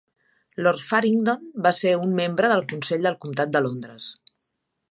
Lord Faringdon va ser un membre del Consell del comtat de Londres.